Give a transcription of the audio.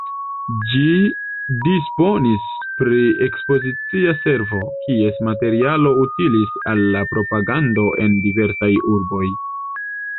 Ĝi disponis pri Ekspozicia Servo, kies materialo utilis al la propagando en diversaj urboj.